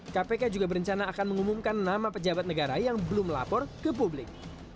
kpk juga berencana akan mengumumkan nama pejabat negara yang belum melapor ke publik